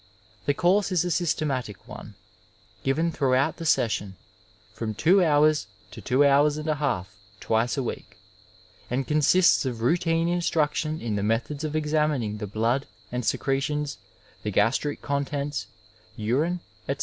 Thecourseisasjrstematicone, given throughout the session, from two hours to twohours and a hsii twice a week, and consists of routine instruction in the methods of Atrj^mining the iHoodandsecretkniB^ the gastric contents, urine, etc.